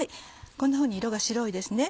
こんなふうに色が白いですね。